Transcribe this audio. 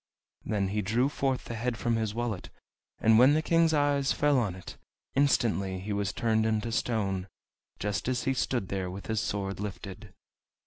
Then he drew forth the head from his wallet, and when the King's eyes fell on it, instantly he was turned into stone, just as he stood there with his sword lifted!